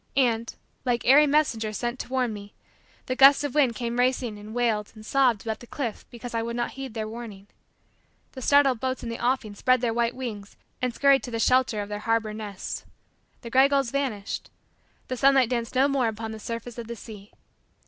And, like airy messengers sent to warn me, the gusts of wind came racing and wailed and sobbed about the cliff because I would not heed their warning. The startled boats in the offing spread their white wings and scurried to the shelter of their harbor nests. The gray gulls vanished. The sunlight danced no more upon the surface of the sea.